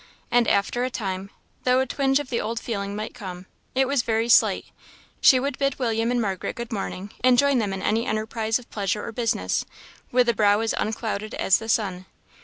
And after a time, though a twinge of the old feeling might come, it was very slight; she would bid William and Margaret good morning, and join them in any enterprise of pleasure or business, with a brow as unclouded as the sun.